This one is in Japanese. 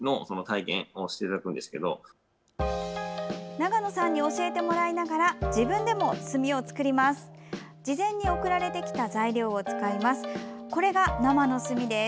長野さんに教えてもらいながら自分でも墨を作ります。